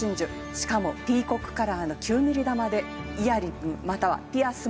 しかもピーコックカラーの９ミリ珠でイヤリングまたはピアスもセットに致しました。